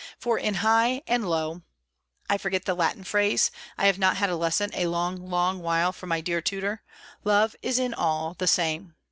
For in high and low (I forget the Latin phrase I have not had a lesson a long, long while, from my dear tutor) love is in all the same!